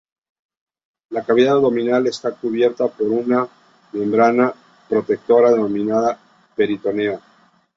La cavidad abdominal está cubierta por una membrana protectora denominada peritoneo.